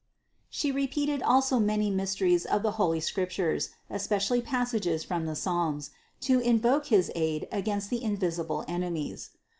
She repeated also many mysteries of the holy Scriptures, especially passages from the Psalms, to invoke his aid against the invisible enemies.